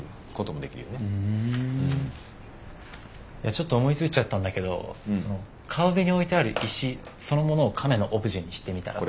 ちょっと思いついちゃったんだけど川辺に置いてある石そのものをカメのオブジェにしてみたら。